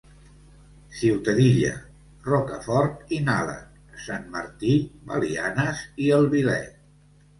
Ciutadilla, Rocafort i Nalec, Sant Martí, Belianes i el Vilet.